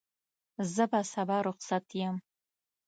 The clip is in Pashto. زه به سبا رخصت یم.